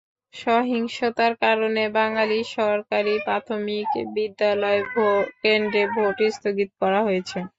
সহিংসতার কারণে বাঙালি সরকারি প্রাথমিক বিদ্যালয় কেন্দ্রে ভোট স্থগিত করা হয়েছে।